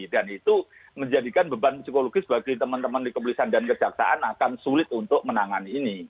dan itu menjadikan beban psikologis bagi teman teman di kemulisan dan kejaksaan akan sulit untuk menangani ini